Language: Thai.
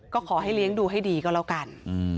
ก็ขอให้เลี้ยงดูให้ดีก็แล้วกัน